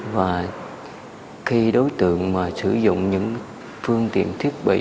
và khi đối tượng mà sử dụng những phương tiện thiết bị